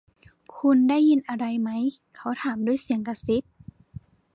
คุณได้ยินอะไรมั้ย เขาถามด้วยเสียงกระซิบ